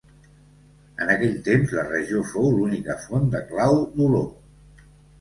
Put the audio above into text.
En aquell temps la regió fou l'única font de clau d'olor.